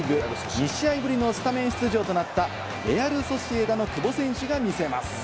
２試合ぶりのスタメン出場となったレアル・ソシエダの久保選手が見せます。